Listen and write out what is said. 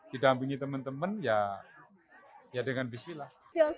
didampingi teman teman ya dengan bismillah